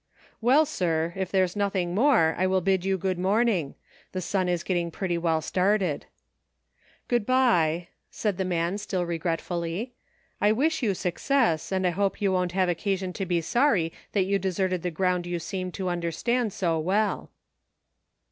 "Well, sir, if there's nothing more, I will bid you good morning ; the sun is getting pretty well started." " Good by !'• said the man, still regretfully. " I wish you success, and hope you won't have occa sion to be sorry that you deserted the ground you seem to understand so well."